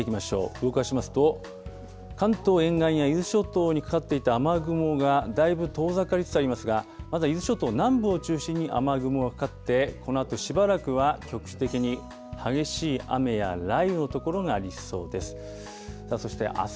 動かしますと、関東沿岸や伊豆諸島にかかっていた雨雲がだいぶ遠ざかりつつありますが、まだ伊豆諸島南部を中心に雨雲がかかって、このあとしばらくは、局地的に激しい雨や雷雨の所がありそうです。